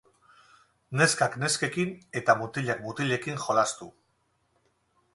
Neskak neskekin eta mutilak mutilekin jolastu.